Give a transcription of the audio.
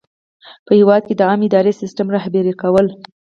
په هیواد کې د عامه اداري سیسټم رهبري کول.